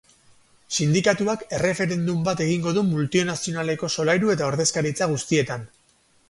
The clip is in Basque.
Sindikatuak erreferendum bat egingo du multinazionaleko solairu eta ordezkaritza guztietan.